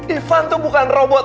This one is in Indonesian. ivan tuh bukan robot